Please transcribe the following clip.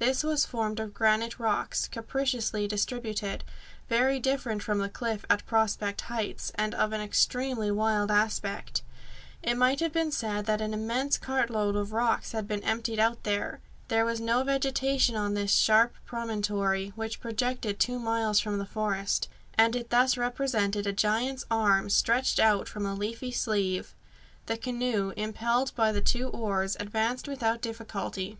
This was formed of granite rocks, capriciously distributed, very different from the cliff at Prospect Heights, and of an extremely wild aspect. It might have been said that an immense cartload of rocks had been emptied out there. There was no vegetation on this sharp promontory, which projected two miles from the forest, and it thus represented a giant's arm stretched out from a leafy sleeve. The canoe, impelled by the two oars, advanced without difficulty.